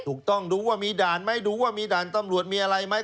ถูกต้องดูว่ามีด่านไหมดูว่ามีด่านตำรวจมีอะไรไหม